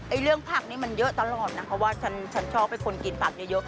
เรื่องผักนี่มันเยอะตลอดนะเพราะว่าฉันชอบให้คนกินผักเยอะ